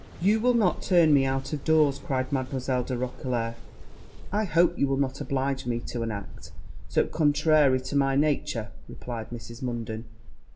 'You will not turn me out of doors?' cried Mademoiselle de Roquelair. 'I hope you will not oblige me to an act so contrary to my nature,' replied Mrs. Munden.